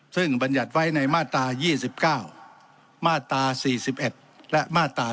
ซึ่งบัญญัติไว้ในมาตรา๒๙๔๑และ๔๕